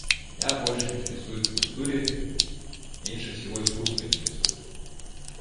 Меня больше интересует в культуре… меньше всего искусство интересует.